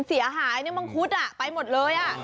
มันเสียหายมังครูสไปหมดเลย